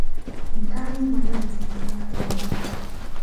Ntalumbwa ye yazimutonera ku mbaga ye.